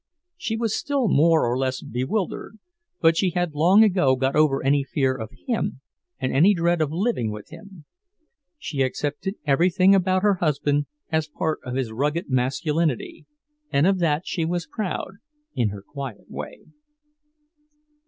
She was still more or less bewildered, but she had long ago got over any fear of him and any dread of living with him. She accepted everything about her husband as part of his rugged masculinity, and of that she was proud, in her quiet way.